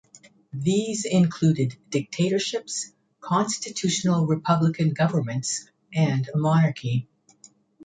These included dictatorships, constitutional republican governments and a monarchy.